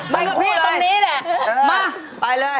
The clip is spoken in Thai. ไปกับพี่ตรงนี้แหละ